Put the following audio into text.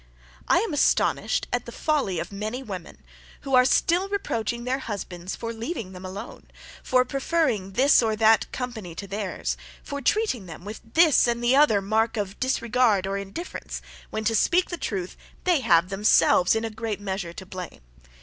"I am astonished at the folly of many women, who are still reproaching their husbands for leaving them alone, for preferring this or that company to theirs, for treating them with this and the other mark of disregard or indifference; when, to speak the truth, they have themselves in a great measure to blame.